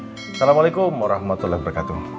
assalamualaikum warahmatullahi wabarakatuh